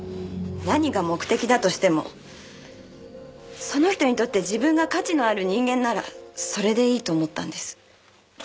何が目的だとしてもその人にとって自分が価値のある人間ならそれでいいと思ったんです。